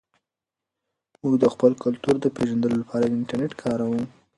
موږ د خپل کلتور د پېژندلو لپاره انټرنیټ کاروو.